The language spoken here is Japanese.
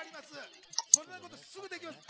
そのことすぐできます。